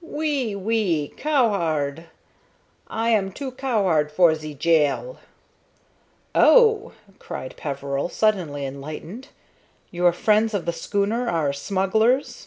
"Oui, oui. Cowhard. I am one cowhard for ze jail." "Oh!" cried Peveril, suddenly enlightened. "Your friends of the schooner are smugglers."